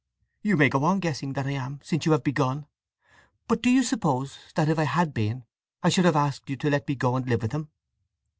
"You may go on guessing that I am, since you have begun. But do you suppose that if I had been I should have asked you to let me go and live with him?"